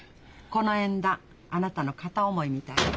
この縁談あなたの片思いみたいよ。